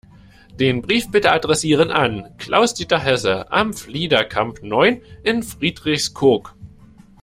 Den Brief bitte adressieren an Klaus-Dieter Hesse, Am Fliederkamp neun in Friedrichskoog.